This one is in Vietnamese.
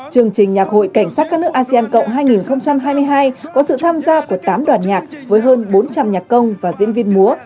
chương trình nhạc hội cảnh sát các nước asean cộng hai nghìn hai mươi hai có sự tham gia của tám đoàn nhạc với hơn bốn trăm linh nhạc công và diễn viên múa